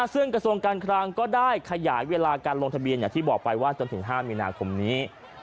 ซึ่งกระทรวงการคลังก็ได้ขยายเวลาการลงทะเบียนอย่างที่บอกไปว่าจนถึง๕มีนาคมนี้